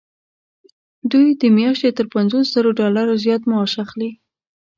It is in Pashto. دوی د میاشتې تر پنځوس زرو ډالرو زیات معاش اخلي.